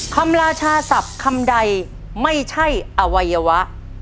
ราชาศัพท์คำใดไม่ใช่อวัยวะ